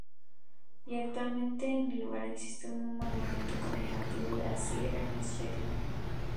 Y actualmente en el lugar existe un monumento conmemorativo a Sir Ernest Shackleton.